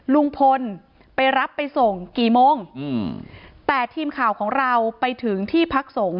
ลุงพลไปรับไปส่งกี่โมงอืมแต่ทีมข่าวของเราไปถึงที่พักสงฆ